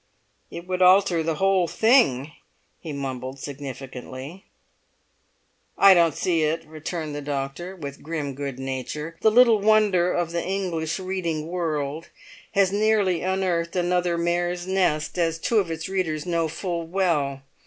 "It would alter the whole thing," he mumbled significantly. "I don't see it," returned the doctor, with grim good nature. "The little wonder of the English reading world has nearly unearthed another mare's nest, as two of its readers know full well.